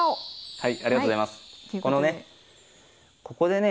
はい。